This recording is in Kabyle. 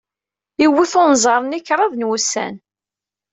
Iwet unẓar-nni kraḍ n wussan.